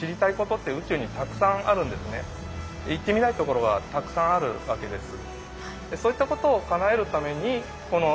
行ってみたいところはたくさんあるわけです。